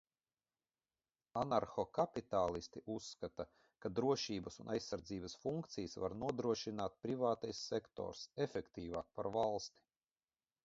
Anarhokapitālisti uzskata, ka drošības un aizsardzības funkcijas var nodrošināt privātais sektors efektīvāk par valsti.